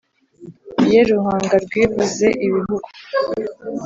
ye ruhanga rwivuze ibihugu,